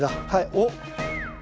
おっ。